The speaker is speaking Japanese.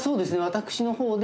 私の方で。